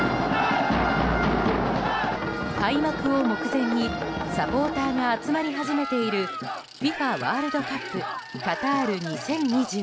開幕を目前にサポーターが集まり始めているＦＩＦＡワールドカップカタール２０２２。